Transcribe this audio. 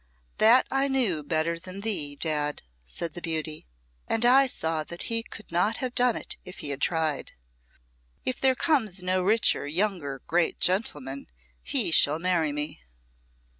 "That I knew better than thee, Dad," said the beauty; "and I saw that he could not have done it if he had tried. If there comes no richer, younger great gentleman, he shall marry me."